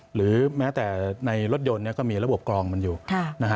หรือแม้แต่ในรถยนต์ก็มีระบบกรองมันอยู่นะฮะ